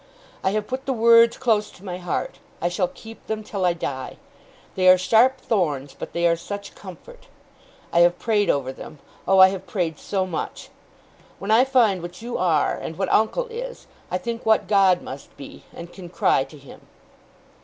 'I have put the words close to my heart. I shall keep them till I die. They are sharp thorns, but they are such comfort. I have prayed over them, oh, I have prayed so much. When I find what you are, and what uncle is, I think what God must be, and can cry to him.